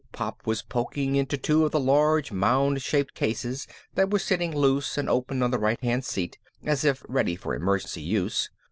Pop was poking into two of the large mound shaped cases that were sitting loose and open on the right hand seat, as if ready for emergency use.